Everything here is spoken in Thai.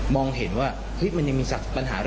มองเห็นว่ามันมีปัญหา